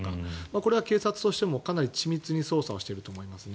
これは警察としてもかなり緻密に捜査していると思いますね。